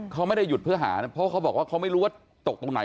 เขาไม่ได้หยุดเพื่อหานะเพราะเขาบอกว่าเขาไม่รู้ว่าตกตรงไหน